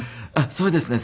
そうですね。